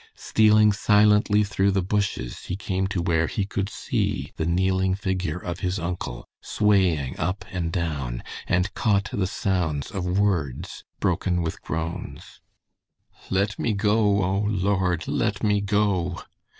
Stealing silently through the bushes he came to where he could see the kneeling figure of his uncle swaying up and down, and caught the sounds of words broken with groans: "Let me go, O Lord! Let me go!"